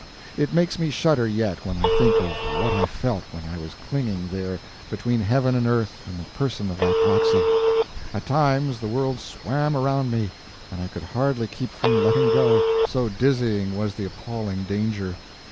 It makes me shudder yet when I think of what I felt when I was clinging there between heaven and earth in the person of that proxy. At times the world swam around me, and I could hardly keep from letting go, so dizzying was the appalling danger.